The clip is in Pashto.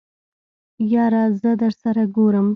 يره زه درسره ګورم.